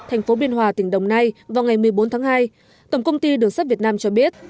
thành phố biên hòa tỉnh đồng nai vào ngày một mươi bốn tháng hai tổng công ty đường sắt việt nam cho biết